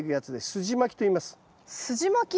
すじまき？